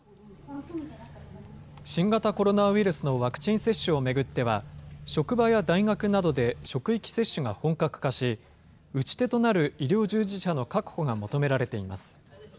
新型コロナウイルスのワクチン接種を巡っては、職場や大学などで職域接種が本格化し、打ち手となる医療従事者の確保が求められています。